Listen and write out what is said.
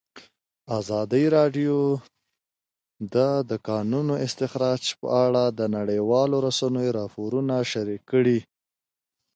ازادي راډیو د د کانونو استخراج په اړه د نړیوالو رسنیو راپورونه شریک کړي.